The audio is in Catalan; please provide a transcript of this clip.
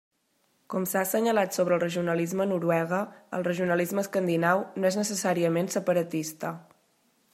Com s'ha assenyalat sobre el regionalisme a Noruega, el regionalisme escandinau no és necessàriament separatista.